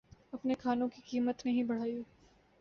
اپنے کھانوں کی قیمت نہیں بڑھائی